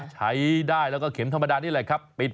ใช้ได้แล้วก็เข็มธรรมดานี่แหละครับ